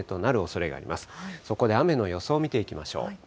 そこで雨の予想見ていきましょう。